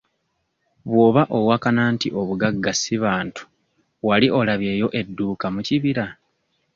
Bw'oba owakana nti obugagga si bantu wali olabyeyo edduuka mu kibira?